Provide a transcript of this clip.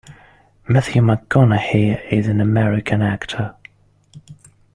Matthew McConaughey is an American actor.